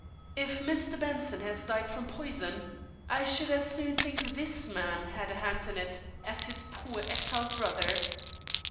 If Mr. Benson has died from poison, I should as soon think this man had a hand in it as his poor exiled brother."